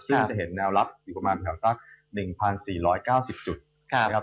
ซึ่งจะเห็นแนวรับอยู่ประมาณแถวสัก๑๔๙๐จุดนะครับ